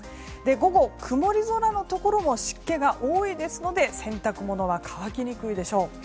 午後、曇り空のところも湿気が多いですので洗濯物は乾きにくいでしょう。